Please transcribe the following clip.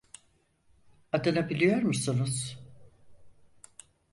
Adını biliyor musunuz?